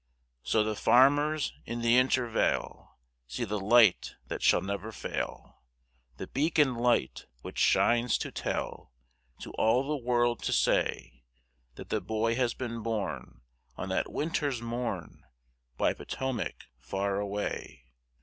So the farmers in the Intervale See the light that shall never fail, The beacon light which shines to tell To all the world to say That the boy has been born On that winter's morn By Potomac far away.